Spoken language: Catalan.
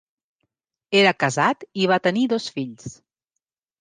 Era casat i va tenir dos fills.